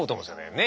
ねえ。